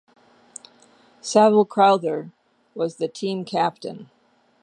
Saville Crowther was the team captain.